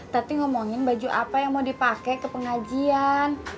tati ngomongin baju apa yang mau dipake ke pengajian